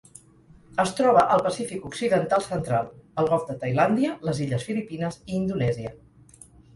Es troba al Pacífic occidental central: el golf de Tailàndia, les illes Filipines i Indonèsia.